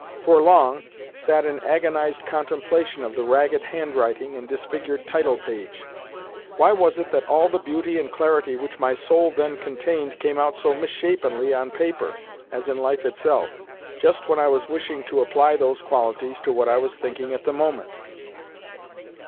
for long, sat in agonised contemplation of the ragged handwriting and disfigured title page. Why was it that all the beauty and clarity which my soul then contained came out so misshapenly on paper (as in life itself) just when I was wishing to apply those qualities to what I was thinking at the moment?